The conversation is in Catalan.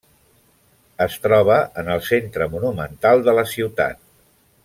Es troba en el centre monumental de la ciutat.